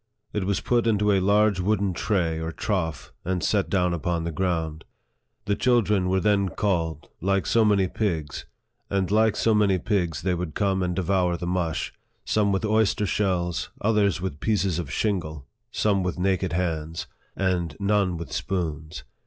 It was put into a large wooden tray or trough, and set down upon the ground. The children were thej called, like so many pigs, and like so many^pigsfthey would come and devour the mush ; some with oyster shells, others with pieces of shingle, some with naked hands, and none with spoons.